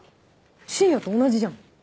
深夜と同じじゃん。